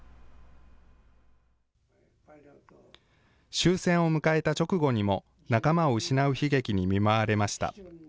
終戦を迎えた直後にも、仲間を失う悲劇に見舞われました。